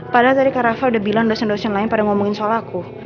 padahal tadi kak rafael udah bilang dosen dosen lain pada ngomongin soal aku